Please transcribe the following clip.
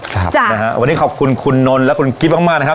ครับจ้ะนะฮะวันนี้ขอบคุณคุณนนท์และคุณกิ๊บมากมากนะครับ